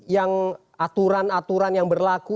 yang aturan aturan yang berlaku